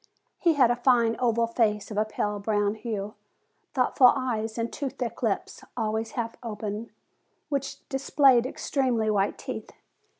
He had a fine, oval face, of a pale brown hue, thoughtful eyes, and two thick lips, always half open, which displayed extremely white teeth.